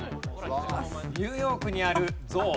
ニューヨークにある像。